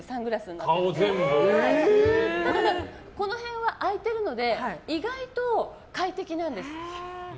なので、この辺は開いてるので意外と快適なんです。